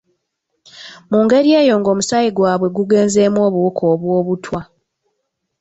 Mu ngeri eyo ng’omusaayi gwabwe gugenzeemu obuwuka obw’obutwa.